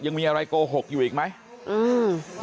ยังมีอะไรโกหกอยู่อีกไหมอืม